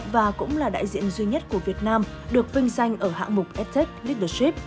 và cũng là đại diện duy nhất của việt nam được vinh danh ở hạng mục edtech leadership